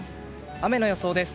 雨の予想です。